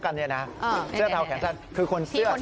ไม่มีครับผมอ้าวนี่ก็รุ่นพี่เอง